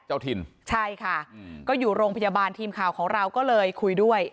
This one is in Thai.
เจ้าถิ่นใช่ค่ะก็อยู่โรงพยาบาลทีมข่าวของเราก็เลยคุยด้วย